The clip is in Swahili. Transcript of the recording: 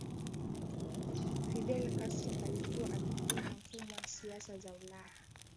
Fidel Castro alikuwa akipinga mfumo wa siasa za Ulaya